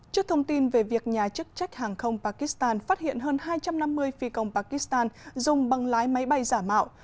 trước thông tin về việc nhà chức trách hàng không pakistan phát hiện hơn hai trăm năm mươi phi công pakistan dùng băng lái máy bay giả mạo